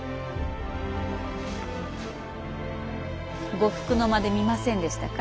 呉服の間で見ませんでしたか？